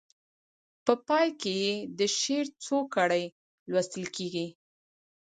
په پای کې یې د شعر څو کړۍ لوستل کیږي.